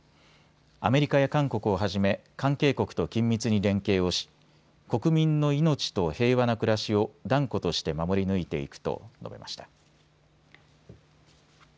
アメリカや韓国をはじめ関係国と緊密に連携をし国民の命と平和な暮らしを断固として守り抜いていくと述べました。